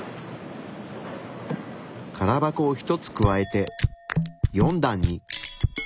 空箱を１つ加えて４段に。